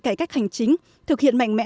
cải cách hành chính thực hiện mạnh mẽ